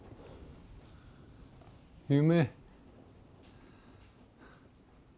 夢。